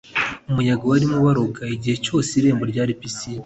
umuyaga warimo uboroga igihe cyose, n'irembo rya pisine